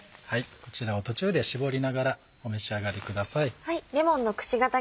こちらを途中で搾りながらお召し上がりください。